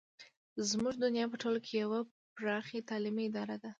زموږ دنیا په ټوله کې یوه پراخه تعلیمي اداره ده.